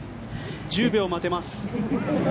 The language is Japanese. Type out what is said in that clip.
１０秒待てます。